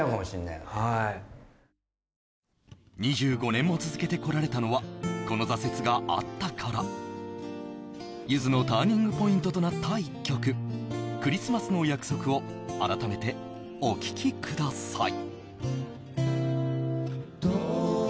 ２５年も続けてこられたのはこの挫折があったからゆずのターニングポイントとなった一曲「クリスマスの約束」を改めてお聴きください